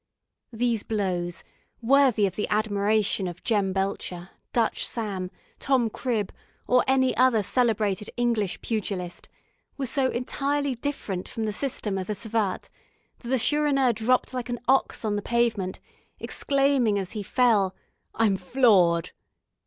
These blows, worthy of the admiration of Jem Belcher, Dutch Sam, Tom Cribb, or any other celebrated English pugilist, were so entirely different from the system of the savate, that the Chourineur dropped like an ox on the pavement, exclaiming, as he fell, "I'm floored!"